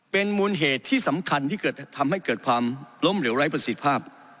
เป็นมูลเหตุที่สำคัญที่ทำให้เกิดความล้มเหลวไร้ประสิทธิภาพ